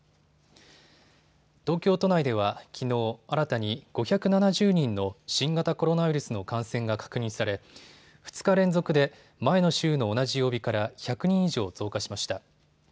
東京都内ではきのう新たに５７０人の新型コロナウイルスの感染が確認され２日連続で前の週の同じ曜日から１００人以上増加しました。